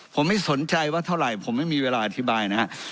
ผมไม่สนใจว่าเท่าไหร่ผมไม่มีเวลาอธิบายนะฮะ